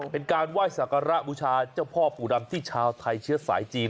เป็นการไหว้สักการะบูชาเจ้าพ่อปู่ดำที่ชาวไทยเชื้อสายจีน